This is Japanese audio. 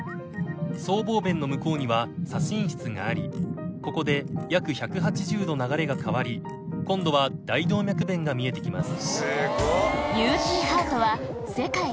僧帽弁の向こうには左心室がありここで約１８０度流れが変わり今度は大動脈弁が見えて来ます。